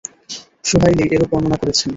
সুহাইলী এরূপ বর্ণনা করেছেন।